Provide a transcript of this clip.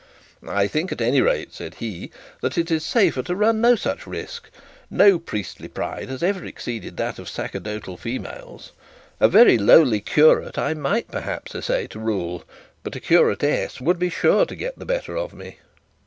'I think, at any rate,' said he, 'that it is safer to run no such risk. No priestly pride has ever exceeded that of sacerdotal females. A very lowly curate, I might, perhaps, essay to rule; but a curatess would be sure to get the better of me.'